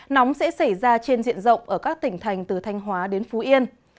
nóng sẽ xảy ra trên diện rộng ở các tỉnh thành từ thanh hóa đến phú yên